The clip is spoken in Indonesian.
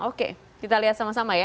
oke kita lihat sama sama ya